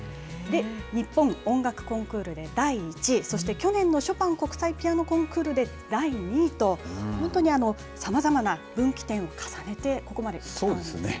日本音楽コンクールで第１位、そして、去年のショパン国際ピアノコンクールで第２位と、本当にさまざまな分岐点を重ねて、ここまできたんですね。